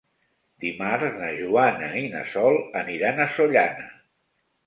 Dimarts na Joana i na Sol aniran a Sollana.